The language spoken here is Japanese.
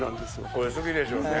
これ好きでしょうね